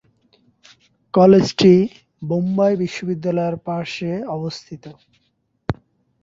কলেজটি মুম্বাই বিশ্ববিদ্যালয়ের পার্শ্বে অবস্থিত।